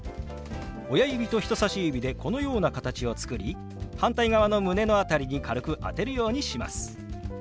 親指と人さし指でこのような形を作り反対側の胸の辺りに軽く当てるようにします。